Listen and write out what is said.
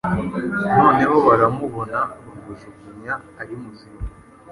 Noneho baramuboha bamujugunya ari muzima